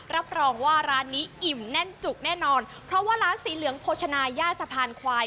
รับรองว่าร้านนี้อิ่มแน่นจุกแน่นอนเพราะว่าร้านสีเหลืองโภชนาย่าสะพานควาย